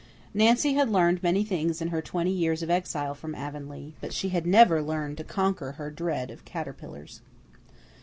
Nancy had learned many things in her twenty years of exile from Avonlea, but she had never learned to conquer her dread of caterpillars.